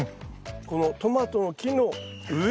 このトマトの木の上で。